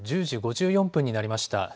１０時５４分になりました。